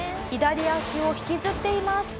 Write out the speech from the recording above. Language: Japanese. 左足を引きずっています。